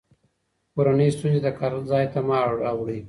کورني ستونزې د کار ځای ته مه راوړئ.